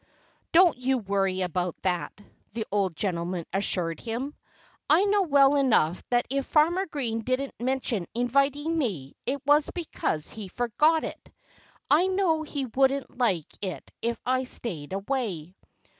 "Don't you worry about that!" the old gentleman assured him. "I know well enough that if Farmer Green didn't mention inviting me it was because he forgot it. I know he wouldn't like it if I stayed away."